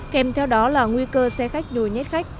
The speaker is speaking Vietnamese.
kèm theo đó là nguy cơ xe khách nhồi nhét khách